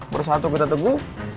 bersatu kita teguh